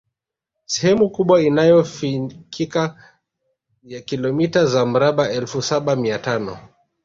Sehemu kubwa inayofikika ya kilomita za mraba elfu saba mia tano